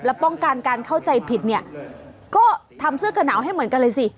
แล้วป้องกันการเข้าใจผิดเนี่ยก็ทำเสื้อกระหนาวให้เหมือนกันเลยสิ